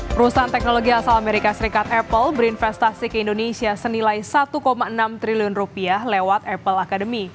perusahaan teknologi asal amerika serikat apple berinvestasi ke indonesia senilai satu enam triliun rupiah lewat apple academy